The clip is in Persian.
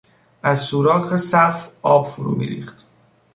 از سوراخ سقف آب فرو میریخت.